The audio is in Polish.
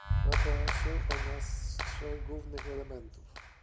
Składa się ona z trzech głównych elementów